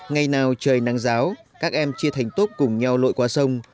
ngày nào trời nắng ráo các em chia thành tốp cùng nhau lội qua sông